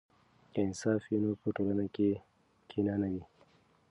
که انصاف وي نو په ټولنه کې کینه نه وي.